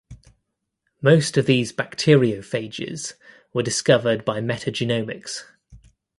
Most of these bacteriophages were discovered by metagenomics.